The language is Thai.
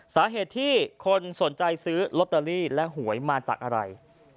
สาเหตุที่คนสนใจซื้อลอตเตอรี่และหวยมาจากอะไร